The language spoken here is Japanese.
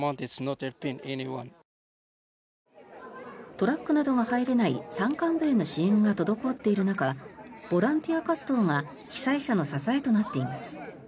トラックなどが入れない山間部への支援が滞っている中ボランティア活動が被災者の支えとなっています。